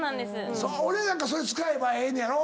俺なんかそれ使えばええねやろ。